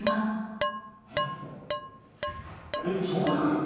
えっどこ行くの？